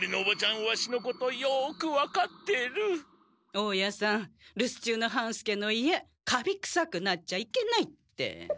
大家さんるす中の半助の家カビくさくなっちゃいけないって。